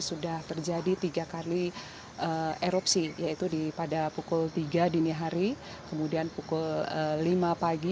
sudah terjadi tiga kali erupsi yaitu pada pukul tiga dini hari kemudian pukul lima pagi